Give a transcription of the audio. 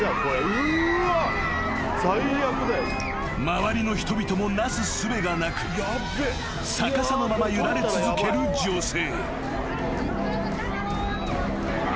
［周りの人々もなすすべがなく逆さのまま揺られ続ける女性］